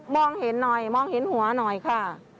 เห็นหน่อยมองเห็นหัวหน่อยค่ะ